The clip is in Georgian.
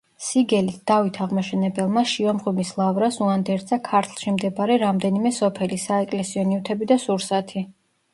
სიგელით დავით აღმაშენებელმა შიომღვიმის ლავრას უანდერძა ქართლში მდებარე რამდენიმე სოფელი, საეკლესიო ნივთები და სურსათი.